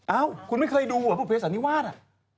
เอ้าคุณไม่เคยดูเหรอคนผู้เด็กสนียฟาดอ่ะ